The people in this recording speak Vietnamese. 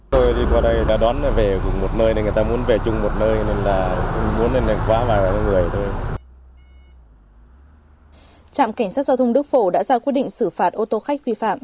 trạm cảnh sát giao thông đức phổ đã ra quyết định xử phạt ô tô khách vi phạm